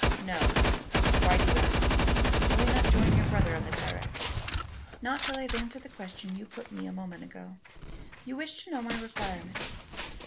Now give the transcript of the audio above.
"No. Why do you ask? Shall we not join your brother on the terrace?" "Not till I have answered the question you put me a moment ago. You wished to know my requirements.